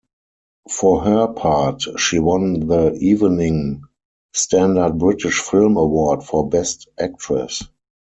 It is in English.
For her part, she won the Evening Standard British Film Award for Best Actress.